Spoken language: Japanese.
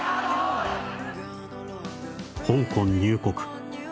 「香港入国！！